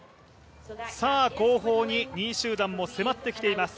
後方に２位集団も迫ってきています。